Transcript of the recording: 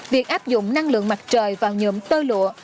việc áp dụng năng lượng mặt trời vào nhuộm tơ lụa